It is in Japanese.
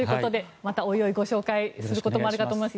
またおいおい、ご紹介することもあると思います。